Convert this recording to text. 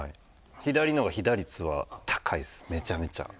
左の方が被打率は高いですめちゃめちゃ。